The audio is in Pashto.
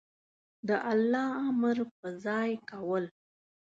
د الله امر په ځای کول